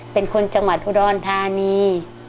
เป็นคนจังหวัดอุดรธานี